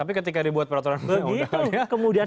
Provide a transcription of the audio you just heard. tapi ketika dibuat peraturan tersebut